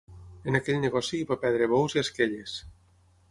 En aquell negoci hi va perdre bous i esquelles.